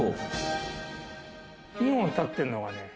２本立ってるのがね